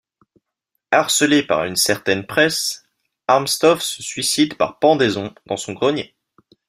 Harcelé par une certaine presse, Harmstorf se suicide par pendaison dans son grenier.